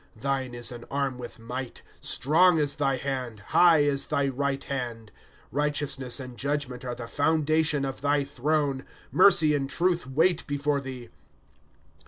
" Thiue is an arm with might ; Strong is thy hand, high. is thy right hand. 1^ Righteousness and judgment aro tlie foundation of thy throne ; Merey and truth wait before thee.